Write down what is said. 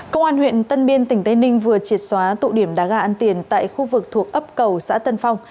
công an huyện tân biên tỉnh tây ninh vừa triệt xóa tụ điểm đá gà ăn tiền tại khu vực thuộc ấp cầu xã tân phong